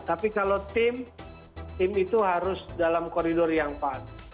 tapi kalau tim tim itu harus dalam koridor yang pas